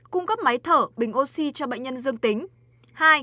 cung cấp máy thở bình oxy cho bệnh nhân dương tính